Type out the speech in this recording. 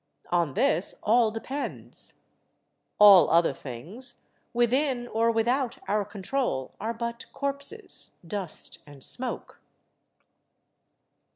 On this all depends. All other things, within or without our control, are but corpses, dust, and smoke.